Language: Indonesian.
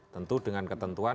tentu dengan ketentuan